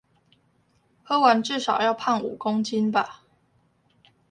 喝完至少要胖五公斤吧